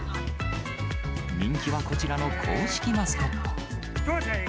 人気はこちらの公式マスコット。